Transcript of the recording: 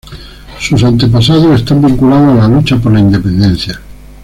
Sus antepasados están vinculados a la lucha por la independencia.